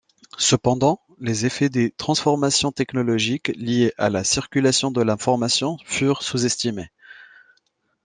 Cependant, les effets des transformations technologiques liées à la circulation de l’information furent sous-estimés.